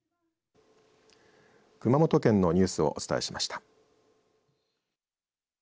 熊本県のニュースをお伝えしました。